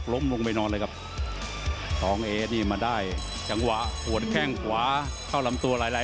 ก็ขอบคุณด้วย